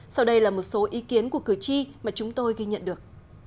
sau đây là một số ý kiến của cử tri mà chúng tôi ghi nhận được